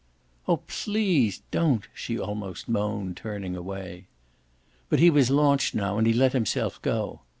"Oh PLEASE don't!" she almost moaned, turning away. But he was launched now and he let himself go.